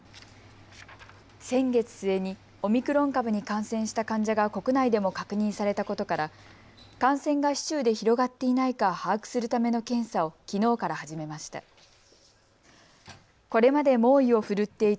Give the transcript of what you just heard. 先月末にオミクロン株に感染した患者が国内でも確認されたことから感染が市中で広がっていないか把握するための検査をきのうから始めました。